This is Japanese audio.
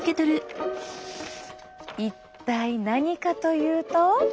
一体何かというと。